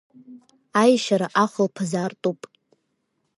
Аешьара ахәлԥаз аартуп.